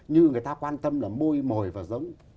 như người ta quan tâm là môi mồi và giống